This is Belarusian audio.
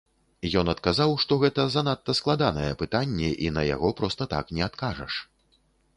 Ён адказаў, што гэта занадта складанае пытанне, і на яго проста так не адкажаш.